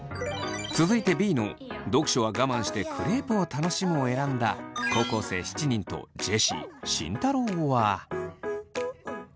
続いてＢの「読書は我慢してクレープを楽しむ」を選んだ高校生７人とジェシー慎太郎は。